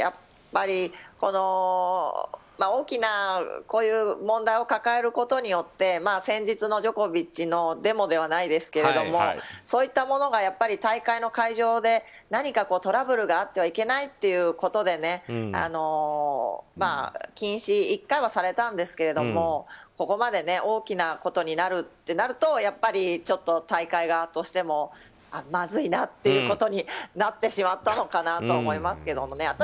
大きなこういう問題を抱えることによって先日のジョコビッチのデモではないですけれどもそういったものが大会の会場で何かトラブルがあってはいけないということで謹慎、１回はされたんですけどここまで大きなことになるってなるとやっぱり、ちょっと大会側としてもまずいなということになったのかなと思いますけどね。